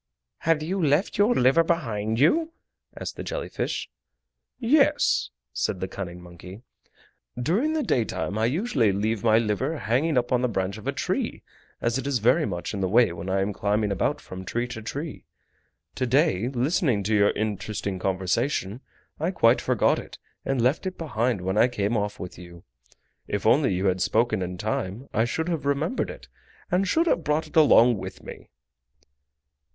"Have you left your liver behind you?" asked the jelly fish. "Yes," said the cunning monkey, "during the daytime I usually leave my liver hanging up on the branch of a tree, as it is very much in the way when I am climbing about from tree to tree. To day, listening to your interesting conversation, I quite forgot it, and left it behind when I came off with you. If only you had spoken in time I should have remembered it, and should have brought it along with me!"